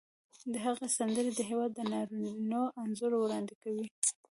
د هغې سندرې د هېواد د ناورینونو انځور وړاندې کوي